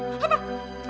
tuh gara gara lo tuh